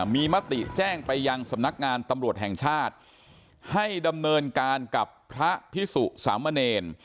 มีมติแจ้งไปยังสำนักงานตำรวจแห่งชาติให้ดำเนินการกับพระพิสุสามเณร